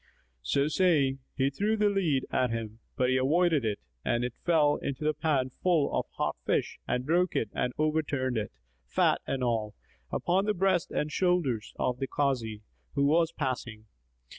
So saying, he threw the lead at him, but he avoided it and it fell into the pan full of hot fish and broke it and overturned it, fat and all, upon the breast and shoulders of the Kazi, who was passing.